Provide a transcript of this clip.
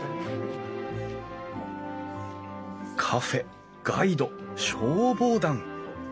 カフェガイド消防団。